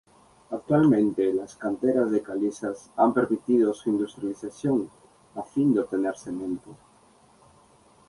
Actualmente las canteras de calizas han permitido su industrialización a fin de obtener cemento.